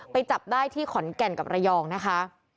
จับได้ที่ขอนแก่นกับระยองนะคะ